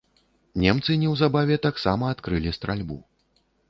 Немцы неўзабаве таксама адкрылі стральбу.